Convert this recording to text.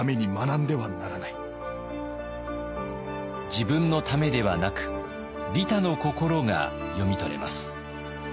自分のためではなく利他の心が読み取れます。